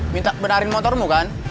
minta benarin motormu kan